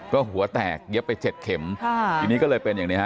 ก็หัวแตกเย็บไปเจ็ดเข็มค่ะทีนี้ก็เลยเป็นอย่างนี้ฮ